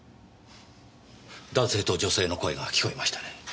男性と女性の声が聞こえましたね。